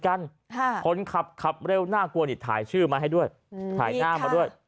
คนขับขับเร็วน่ากลัวนี่ถ่ายชื่อมาให้ด้วยถ่ายหน้ามาด้วย